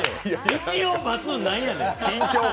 一応待つ、何やねん。